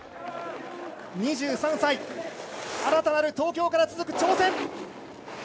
２３歳、新たなる東京から続く挑戦。